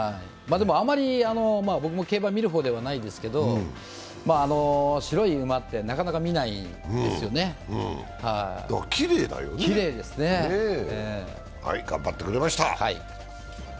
あまり僕も競馬を見る方ではないんですけど、白い馬ってなかなか見ないですよね、きれいですよね。頑張ってくれました。